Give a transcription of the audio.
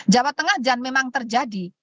jawa tengah dan memang terjadi